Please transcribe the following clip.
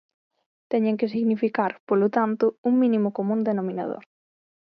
Teñen que significar, polo tanto, un mínimo común denominador.